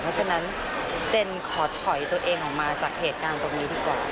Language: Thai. เพราะฉะนั้นเจนขอถอยตัวเองออกมาจากเหตุการณ์ตรงนี้ดีกว่า